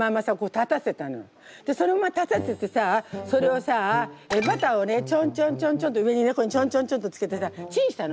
でそのまま立たせてさそれをさバターをねちょんちょんちょんちょんって上にねちょんちょんちょんってつけてさチンしたの。